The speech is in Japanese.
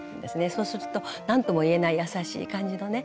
そうすると何ともいえない優しい感じのね